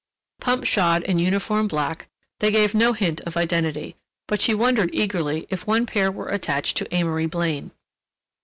Pump shod in uniform black, they gave no hint of identity, but she wondered eagerly if one pair were attached to Amory Blaine.